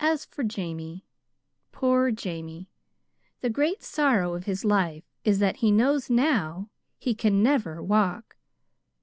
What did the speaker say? "As for Jamie poor Jamie! The great sorrow of his life is that he knows now he can never walk.